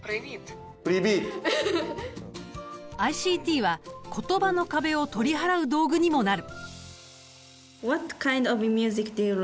ＩＣＴは言葉の壁を取り払う道具にもなる。